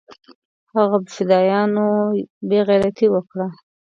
هغه فدايانو بې غيرتي اوکړه.